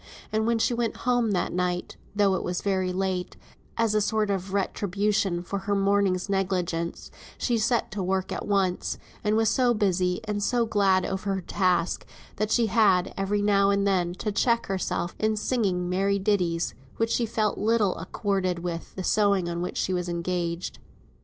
And when she went home at night (though it was very late, as a sort of retribution for her morning's negligence), she set to work at once, and was so busy, and so glad over her task, that she had, every now and then, to check herself in singing merry ditties, that she felt little accorded with the sewing on which she was engaged.